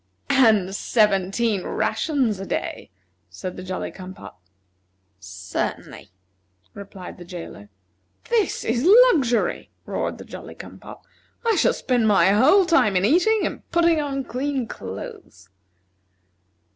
"And seventeen rations a day," said the Jolly cum pop. "Certainly," replied the jailer. "This is luxury," roared the Jolly cum pop. "I shall spend my whole time in eating and putting on clean clothes."